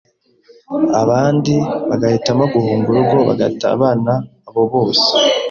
abandi bagahitamo guhunga urugo bagata abana Abo bose